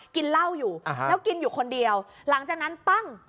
กินเหล้าอยู่แล้วกินอยู่คนเดียวหลังจากนั้นปั้ง